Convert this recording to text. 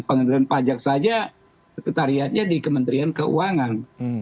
pengendalian pajak saja sekretariatnya di kementerian keuangan